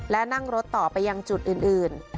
และนั่งรถต่อไปยังจุดอื่น